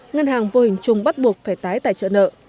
ngân hàng vô hình chung bắt buộc phải tái tài trợ nợ